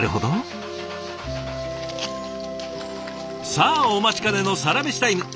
さあお待ちかねのサラメシタイム！